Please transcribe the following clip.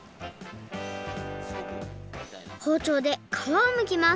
ほうちょうでかわをむきます